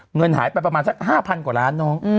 เงินหายไปประมาณสัก๕๐๐กว่าล้านน้อง